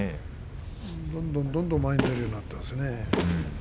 どんどんどんどん前に出るようになったですね。